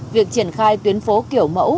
việc triển khai tuyến phố kiểu mẫu